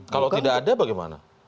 kalau tidak ada bagaimana